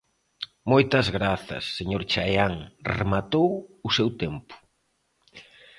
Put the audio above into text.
Moitas grazas, señor Chaián, rematou o seu tempo.